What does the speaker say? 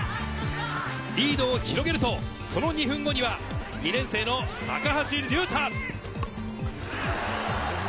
リードを広げると、その２分後には２年生の高橋隆大。